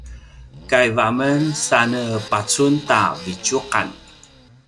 kaiv a men sa ne pacun ta vitjuqan